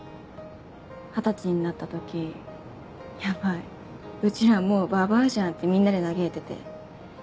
二十歳になった時「ヤバいうちらもうババアじゃん」ってみんなで嘆いてて。